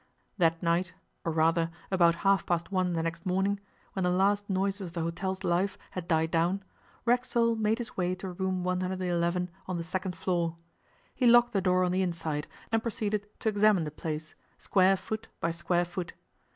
That night, or rather about half past one the next morning, when the last noises of the hotel's life had died down, Racksole made his way to Room 111 on the second floor. He locked the door on the inside, and proceeded to examine the place, square foot by square foot.